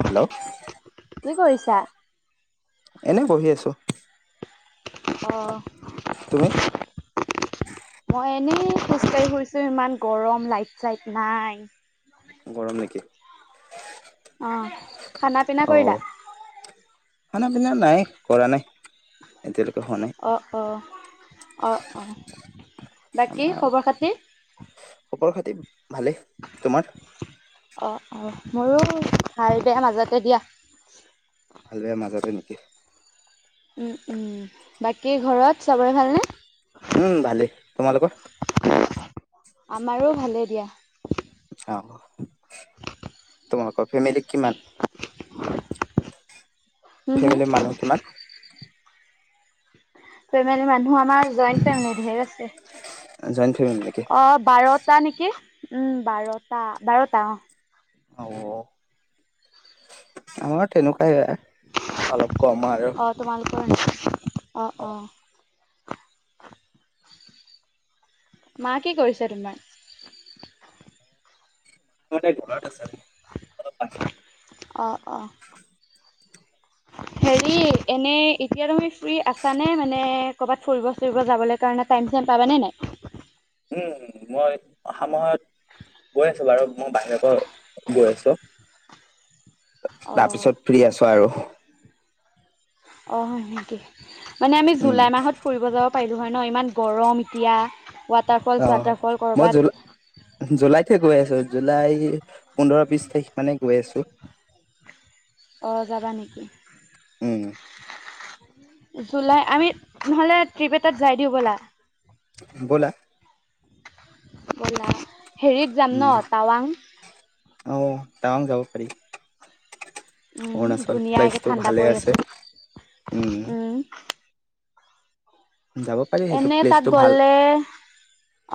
Hello কি কৰিছা? এনে বহি আছো অ তুমি মই এনেই খোজকাঢ়ি ফুৰিছো ইমান গৰম লাইট চাইট নাই গৰম নেকি অ খানা পিনা অ কৰিলা খানা পিনা নাই কৰা নাই এতিয়ালৈকে। হোৱা নাই অ, অ, অ, ‌‌ অ। বাকী আমাৰ, খবৰ খাতি? খবৰ খাতি ভালেই তোমাৰ অ অ মোৰো ভাল বেয়া মাজতে দিয়া ভাল বেয়া মাজতে নেকি উম, উম বাকী ঘৰত চবৰে ভালনে উম ভালেই তোমালোকৰ আমাৰো ভালেই দিয়া। অ তোমালোকৰ ফেমিলি কিমান হুম হুম ফেমেলি মানুহ কিমান ফেমেলি মানুহ আমাৰ জইন ফেমিলি ধেৰ আছে, জইণ্ট ফেমিলি নেকি অ বাৰটা নেকি উম বাৰটা, বাৰটা অ। অ, আমাৰ তেনেকুৱাই অলপ কম আৰু অ তোমালোকৰ অ অ মা কি কৰিছে তোমাৰ [unintelligible] ঘৰত আছে, অলপ বাহিৰত অ', অ'। হেৰি এনে এতিয়া তুমি ফ্ৰী আছানে মানে, ক'ৰবাত ফুৰিব চুৰিব যাবলে কাৰণে টাইম, চাইম পাবানে নাই? উম, মই অহা সময়ত গৈ, আছোঁ বাৰু মই বাহিৰৰ পৰা গৈ আছোঁ। অ', তাৰপিছত ফ্ৰী আছোঁ আৰু। অ', হয়, নিকি মানে আমি উম জুলাই মাহত ফুৰিব যাব পাৰিলোঁ হয়, ন? ইমান গৰম এতিয়া ৱাটাৰফলছ, অ চোৱাটাৰফল মই ক'ৰবাত? জুলাই জুলাইতে গৈ আছোঁ, জুলাই পোন্ধৰ, বিচ তাৰিখ মানে গৈ আছোঁ। অ', যাবা নিকি? উম। জুলাই আমি নহ'লে ট্ৰিপ এটাত যায় দিওঁ ব'লা। ব'লা। ব'লা হেৰিত যাম উম ন' টাৱাং? অ', টাৱাং যাব পাৰি। উম, অৰুণাচল ধুনীয়া একে প্লেচটো ঠাণ্ডা ভালে পৰি আছে উম। যাব পাৰি সেইটো এনে তাত প্লেচটো ভাল গ'লে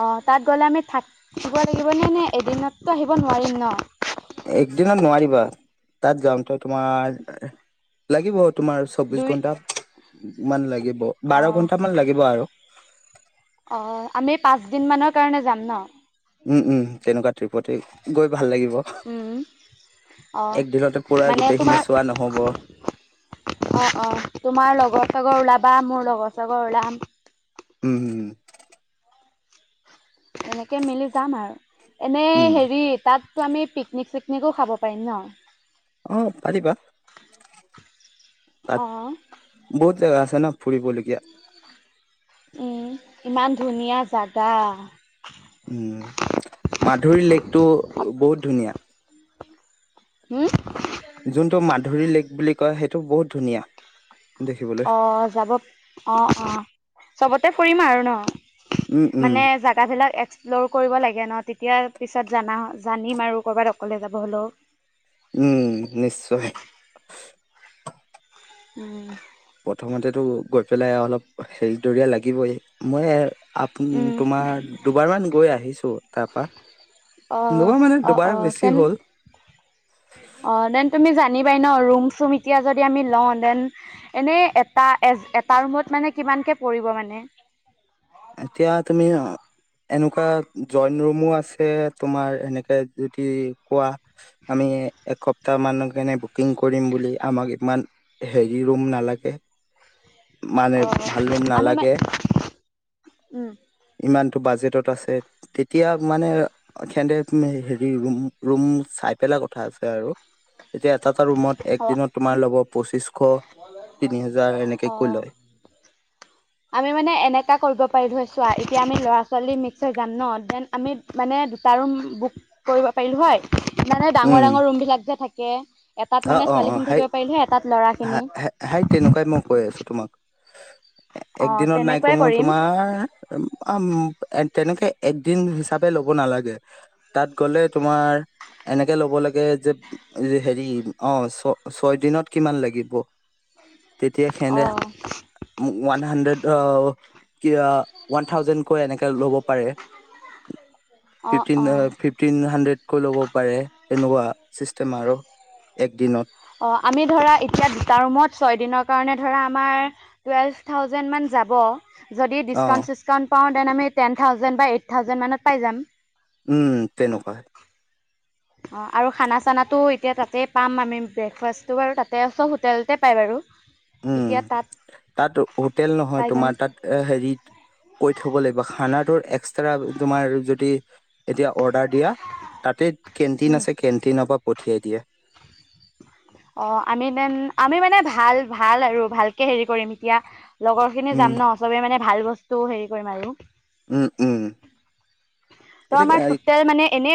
অ', তাত গ'লে আমি থাকিব লাগিবনে নে এদিনততো আহিব নোৱাৰিম ন‌? একদিনত নোৱাৰিবা, তাত যাওঁতে তোমাৰ লাগিব তোমাৰ ওচ চৌব্বিশ দুই ঘন্টা মান লাগিব, বাৰ অঁ ঘন্টা লাগিব আৰু। অ', আমি পাঁচদিন মানৰ কাৰণে যাম ন? উম, উম, তেনেকুৱা ট্ৰিপতে গৈ ভাল লাগিব, অঁ একদিনতে পুৰা গোটেইখিনি চোৱা নহ'ব। অ', অ‌', তোমাৰ লগৰ চগৰ ওলাবা, মোৰ লগৰ চগৰ ওলাম। উম, উম। এনেকে মিলি যাম আৰু এনে উম হেৰি তাত তো আমি পিকনিক, চিকনিকো খাব পাৰিম ন? অ', পাৰিবা। তাত অঁ বহুত জেগা আছে ন' ফুৰিবলগীয়া? উম, ইমান ধুনীয়া জাগা। উম, মাধুৰী লেকটো বহুত ধুনীয়া। হম। যোনটো মাধুৰী লেক বুলি কয়, সেইটো বহুত ধুনীয়া। দেখিবলৈ অ', যাব অ', অ', চবতে ফুৰিম আৰু ন? উম উম মানে জাগাবিলাক একচ লৰ কৰিব লাগে ন' তেতিয়া পিছত জানা জানিম আৰু ক'ৰবাত অকলে যাব হ'লেও- উম, নিশ্চয়। উম। প্ৰথমতেতো গৈ পেলাই আ অলপ হেৰি দৰিয়া লাগিবই মই আপ উম। তোমাৰ দুবাৰমান গৈ আহিছোঁ তাত। পা, অ', দুবাৰ মানে অ', দুবাৰ অ', বেছি তেন হ'ল। অ', দেন তুমি জানিবাই ন' ৰুম চুম এতিয়া যদি আমি লওঁ দেন এনেই এটা এজ এটা ৰুমত মানে কিমানকে পৰিব মানে? এতিয়া তুমি অ' এনেকুৱা জইন ৰুমো আছে তোমাৰ এনেকে যদি কোৱা আমি এসপ্তাহ মানৰ কাৰণে বুকিং কৰিম বুলি আমাক ইমান হেৰি ৰুম নালাগে। মানে অ' ভাল ৰুম আমি মানে নালাগে উম। ইমানটো বাজেটত আছে। তেতিয়া মানে সিহঁতে হেৰি ৰুম ৰুম চাই পেলাই কথা আছে আৰু এতিয়া এটা এটা ৰুমত এক অ', দিনত তোমাৰ ল'ব পঁচিশ তিনি হাজাৰ এনেকে কৈয় অ', লয়। আমি মানে এনেকা কৰিব পাৰিলোঁ হয় চোৱা। এতিয়া আমি ল'ৰা ছোৱালী মিক্স হৈ যাম ন দেন আমি মানে দুটা ৰুম বুক কৰিব পাৰিলোঁ হয়। মানে ডাঙৰ উম ডাঙৰ ৰুম বিলাক যে থাকে, এটাত মানে ছোৱালী খিনি থাকিব পাৰিলোঁ হয়, এটাত ল'ৰা হে হে হেই তেনেকুৱাই মই কৈ আছোঁ তোমাক। অ', একদিনত নাই তেনেকুৱাই কমেও কৰিম তোমাৰ অ' তেনেকে এদিন হিচাপে ল'ব নালাগে। তাত গ'লে তোমাৰ এনেকে ল'ব লাগে যে হেৰি অ' ছ ছয় দিনত কিমান লাগিব। তেতিয়া সিহঁতে অ', এৱান হাণ্ডেড অ' ৱান থাউজেণ্ড কৈ এনেকে ল'ব পাৰে অ', ফিফটিন অ'। ফিফটি টিন হাণ্ড্ৰেডকৈ ল'ব পাৰে। এনেকুৱা ছিষ্টেম আৰু এক দিনত। অ' আমি ধৰা এতিয়া দুটা ৰুমত ছয় দিনৰ কাৰণে ধৰা আমাৰ টোৱেল্ভ থাউজেণ্ড মান যাব। যদি অ ডিছকাউণ্ট চিচকাউণ্ট পাওঁ দেন আমি টেন থাউজেণ্ড বা এইট থাউজেণ্ডমানত পাই যাম। উম, তেনেকুৱা। অ' আৰু খানা চানাটো এতিয়া তাতেই পাম আমি ব্ৰেকফাষ্টটো বাৰু তাতে চ'ব হোটেলতে পাই বাৰু। [unintelligible] উম, তাত তাত হোটেল নহয়, পাই যাম তোমাৰ তাত এই হেৰিত কৈ থ'ব লাগিব। খানাটোৰ এক্সট্ৰা তোমাৰ যদি যেতিয়া অৰ্ডাৰ দিয়া। তাতে কেণ্টিন উম আছে, কেণ্টিনৰ পৰা পঠিয়াই দিয়ে। অ' আমি তেন আমি মানে ভাল ভাল আৰু ভালকে হেৰি কৰিম এতিয়া লগৰ খিনি উম যাম ন চবেই মানে ভাল বস্তু হেৰি কৰিম আৰু উম, উম। এতিয়া কমৰ সুতে মানে এনে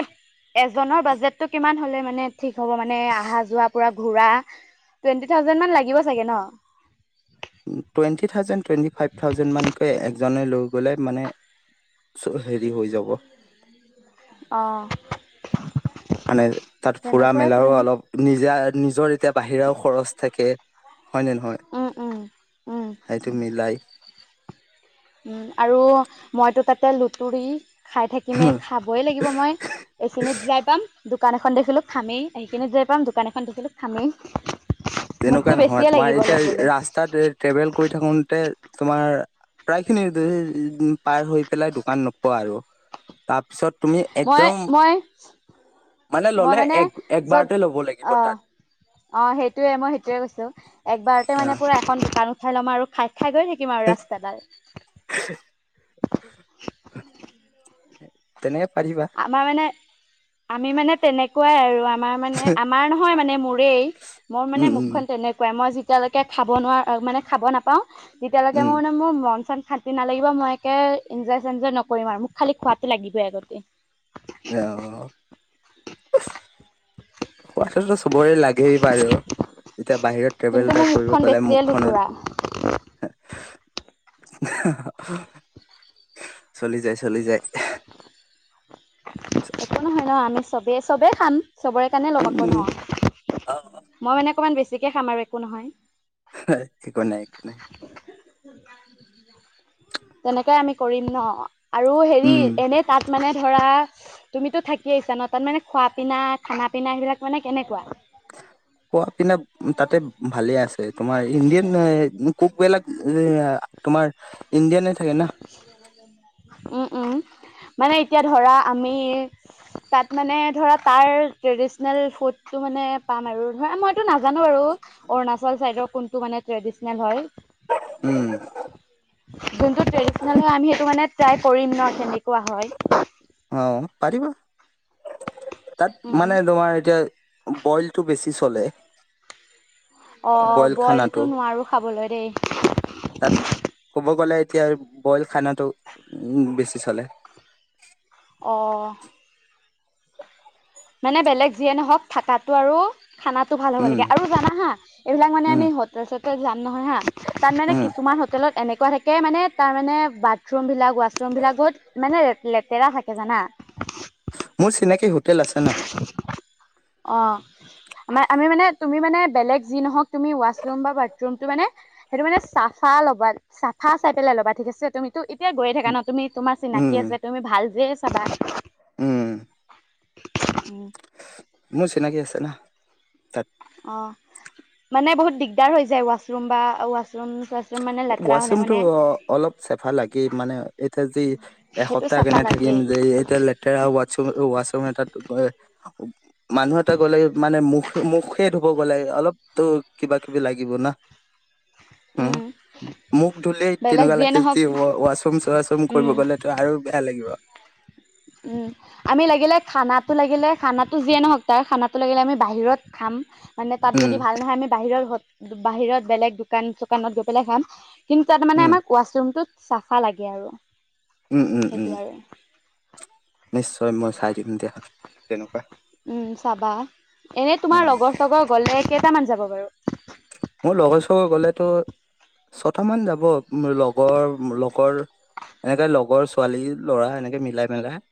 এজনৰ বাজেটো কিমান হ'লে মানে ঠিক হ'ব মানে অহা যোৱা পুৰা ঘূৰা টুৱেন্টি থাউজেণ্ড মান ন লাগিব চাগে ন। Twenty thousand, twenty five thousand মানকৈ একজনে লৈ গ'লে মানে চ'ব হেৰি হয় যাব। অহ' মানে তাত ফুৰা তেনেকুৱাই মেলাও কৰিম অলপ নিজা নিজৰ এতিয়া বাহিৰাও খৰচ থাকে। হয়নে নহয়। উম উম। সেইটো মিলাই আৰু মইতো তাতে লুতুৰি খাই থাকিমে খাবই লাগিব মই এইখিনিত যাই পাম। দোকান এখন দেখিলোঁ খামেই সেইখিনিতে যৈ পাম দোকান এখন দেখিলোঁ খামেই। তেনেকুৱা মোকতো নহয়। বেছিয়ে তোমাৰ লাগিব এতিয়া ল'বলৈ ৰাস্তাত ট্ৰেভেল কৰি থাকোঁতে, তোমাৰ প্ৰায় খিনি পাৰ হৈ পেলাই দোকান নোপোৱা আৰু তাৰপিছত তুমি মই একদম মই মানে ল'লে য'ত এক-একবাৰতে ল'ব লাগিব অঁ তাত। অ', হেইটোয়ে মই হেইটোয়ে কৈছো একবাৰতে অ মানে পুৰা এখন দোকান উঠাই ল'ম আৰু খাই-খাই গৈ থাক থাকিম আৰু ৰাস্তাডাল। তেনেকে পাৰিবা। আমাৰ মানে, আমি মানে তেনেকুৱাই আৰু আমাৰ মানে, আমাৰ নহয় মানে মোৰেই, মোৰ মানে উম উম মুখখন তেনেকুৱাই। মই যি তেতিয়ালৈকে খাব নোৱা-মানে খাব নাপাওঁ, তেতিয়ালৈকে উম মোৰ মানে মোৰ মন-চন নালাগিব মই একে এনজয়-চেনজয় নকৰিম আৰু, মোক খালি খোৱাতো লাগিবই আগতে। অ', অ'। খোৱটোতো চবৰে লাগেই বাৰু যেতিয়া বাহিৰত কিন্তু ট্ৰেভেল এটা মোৰ কৰিব মুখখন গ'লে বেছিয়ে লুতুৰা মুখখনত চলি যায়, চলি যায়। একো নহয় ন, আমি চবেই-চবেই খাম। চবৰে কাৰণে লম আকৌ ন? অ', অ'। মই মানে অকণমান বেছিকৈ খাম আৰু একো নহয়। [unintelligible] একো নাই, একো নাই। তেনেকুৱাই আমি কৰিম ন? আৰু হেৰি উম, এনেই তাত মানে ধৰা তুমিতো থাকি আহছা ন? তাত মানে খোৱা-পিনা, খান-পিনা সেইবিলাক মানে কেনেকুৱা? [unintelligible] তাতে ভালে আছে। তোমাৰ ইণ্ডিয়ান কোকবিলাক তোমাৰ ইণ্ডিয়ানে থাকে না। উম, উম। মানে এতিয়া ধৰা আমি তাত মানে ধৰা তাৰ ট্ৰেডিচনেল ফুডটো মানে পাম আৰু, ধৰা মইতো নাজানো বাৰু। অৰুণাচল চাইদৰ কোনটো মানে ট্ৰেডিচনেল হয়। উম। যোনটো ট্ৰেডিচনেল হয় আমি সেইটো মানে ট্ৰাই কৰিম ন কেনেকোৱা হয়। অ', পাৰিবা। তাত উম মানে তোমাৰ এতিয়া বইলটো বেছি চলে। অ', বইল খানাটো বইলটো নোৱাৰোঁ খাবলৈ দেই। তাত ক'ব গ'লে এতিয়া বইল খানাটো উম, বেছি চলে। অ'। মানে বেলেগ যিয়ে নহওঁক থাকাতো আৰু খানাটো ভাল হ'ব উম, লাগে। আৰু জানা হা এইবিলাক মানে উম, আমি হ তাৰপিছ যাম নহয় হা, তাত মানে উম, কিছুমান হোটেলত এনেকুৱা থাকে মানে তাৰমানে বাট বাথৰুমবিলাক, ওৱাছৰুমবিলাকত বহুত মানে লেতেৰা থাকে জানা? মোৰ চিনাকি হোটেল আছে ন। অ', আমাৰ আমি মানে তুমি মানে বেলেগ যি নহওঁক তুমি ওৱাছৰুম বা বাথৰুমটো মানে হেইটো মানে চাফা ল'বা চাফা চাই পেলাই ল'বা ঠিক আছে? তুমি তো এতিয়া গৈ ন, তুমি তোমাৰ চিনাকি উম, আছে তুমি ভাল উম, [unintelligible] চাব। উম। মোৰ চিনাকি আছে না। তাত অ', মানে বহুত দিগদাৰ হৈ যায়, ওৱাছৰুম বা ওৱাছৰুম-চোৱাচ ওৱাছৰুমতটো অলপ চেফা লাগেই, মানে এতিয়া যি সেইটো এসপ্তাহ চাফা কেনে থাকিম লাগেই যে এতিয়া লে লেটেৰা ওৱাট্চৰুম-ওৱাশছৰুম এটা মানুহ এটা গ'লে মানে মুখ মুখে ধোৱ গ'লে অলপতো কিবা-কিবি লাগিব না। হম উম মুখ ধুলেই বেলেগ তেনেকুৱা যিয়ে লাগে নহওক যে ৱাছৰুম চৱাছৰুম কৰিব উম গ'লেতো আৰু বেয়া লাগিব উম আমি লাগিলে খানাটো লাগিলে খানাটো যিয়ে নহওক তাৰ খানাটো লাগিলে আমি বাহিৰত খাম মানে তাত উম যদি ভাল নহয় আমি বাহিৰৰ বাহিৰত বেলেগ দোকান চোকানত গৈ পেলাই খাম কিন্তু তাত মানে উম আমাক ৱাছৰুমটোত চাফা লাগে আৰু ওম ওম সেইটো ওম আৰু নিশ্চয় মই চাই দিম দিয়া তেনেকুৱা উম চাবা এনে উম তোমাৰ লগৰ চগৰ গলে কেইটামান যাব বাৰু মোৰ লগৰ চগৰ গ'লেতো ছটামান যাব মোৰ লগৰ মোৰ লগৰ এনেকে লগৰ ছোৱালী ল'ৰা এনেকে মিলাই পেলাই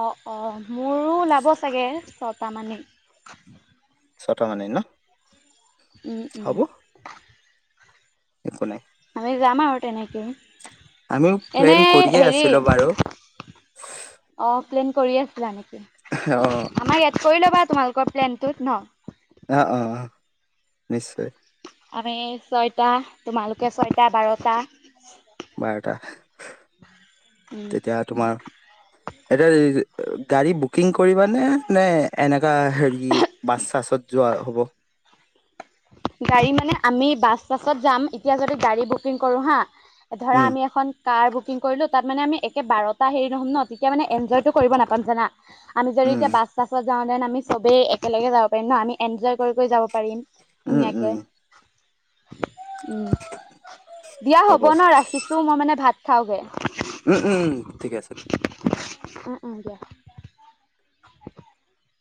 অঁ অঁ মোৰো ওলাব চাগে ছটামানেই ছটামানে ন উম উম হ'ব একো নাই আমি যাম আৰু তেনেকে আমিও প্লেন কৰিয়ে আছিলো বাৰু অ প্লেন কৰি আছিলা নেকি অঁ আমাৰ ইয়াত কৰি ল'বা তোমালোকৰ প্লেনটোত ন আহ অ অ নিশ্চয় আমি ছয়টা তোমালোকে ছয়টা বাৰটা বাৰটা উম তেতিয়া তোমাৰ এতিয়া গাড়ী বুকিং কৰিবানে নে এনেকুৱা হেৰি বাছ চাছত যোৱা হব গাড়ী মানে আমি বাছ চাছত যাম এতিয়া যদি গাড়ী বুকিং কৰো হা ধৰা উম আমি এখন কাৰ বুকিং কৰিলোঁ তাত মানে আমি একে বাৰটা হেৰি নহ'ম ন তেতিয়া মানে এনজয়টো কৰিব নাপাম জানা আমি যদি উম এতিয়া বাছ চাছত যাওঁতেতেন আমি চবেই একেলগে যাব পাৰিম ন আমি এনজয় কৰি কৰি যাব পাৰিম উম ধুনীয়াকে উম উম দিয়া হ'ব ন ৰাখিছো মই মানে ভাত খাওগে উম উম ঠিকে আছে দিয়া অ অঁ দিয়া [unintelligible]